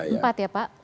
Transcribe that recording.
empat ya pak